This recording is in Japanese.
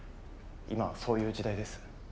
今はそういう時代です。